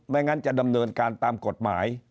งั้นจะดำเนินการตามกฎหมาย